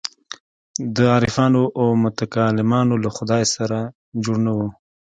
د عارفانو او متکلمانو له خدای سره جوړ نه وو.